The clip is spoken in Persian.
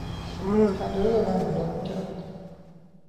از پنجره به من نگاه میکرد.